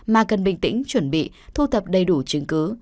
mà cần bình tĩnh chuẩn bị thu thập đầy đủ chứng cứ